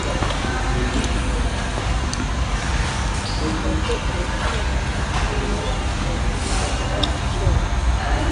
ubujiji nikintu nkunda cyane. ndatekereza rwose ko ari yo shingiro ry'ibibazo byacu byose